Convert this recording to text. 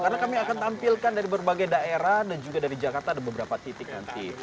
karena kami akan tampilkan dari berbagai daerah dan juga dari jakarta ada beberapa titik nanti